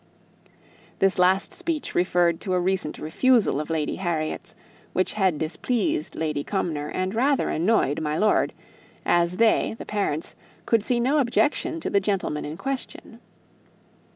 This last speech referred to a recent refusal of Lady Harriet's, which had displeased Lady Cumnor, and rather annoyed my lord; as they, the parents, could see no objection to the gentleman in question.